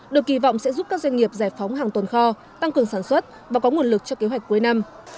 được kỳ vọng sẽ giúp các doanh nghiệp giải phóng hàng tuần kho tăng cường sản xuất và có nguồn lực cho kế hoạch cuối năm